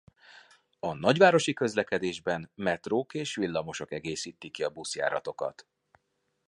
A nagyvárosi közlekedésben metrók és villamosok egészítik ki a buszjáratokat.